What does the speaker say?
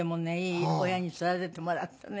いい親に育ててもらったね。